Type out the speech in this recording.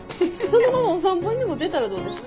そのままお散歩にでも出たらどうです？